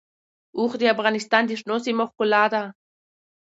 اوښ د افغانستان د شنو سیمو ښکلا ده.